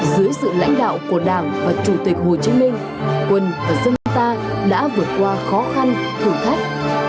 dưới sự lãnh đạo của đảng và chủ tịch hồ chí minh quân và dân ta đã vượt qua khó khăn thử thách